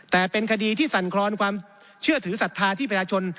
แต่เป็นคดีที่สั่นคลอนความเชื่อถือศรัทธาที่ประชาชน